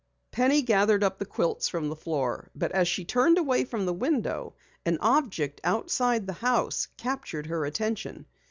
Penny gathered up the quilts from the floor. But as she turned away from the window, an object outside the house captured her attention.